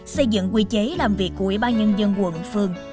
xây dựng quy chế làm việc của ủy ban nhân dân quận phường